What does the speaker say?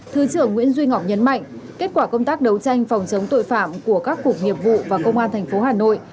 thư trưởng nguyễn duy ngọc nhấn mạnh kết quả công tác đấu tranh phòng chống tội phạm của các cuộc nghiệp vụ và công an tp hà nội